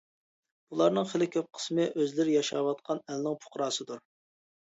بۇلارنىڭ خېلى كۆپ قىسمى ئۆزلىرى ياشاۋاتقان ئەلنىڭ پۇقراسىدۇر.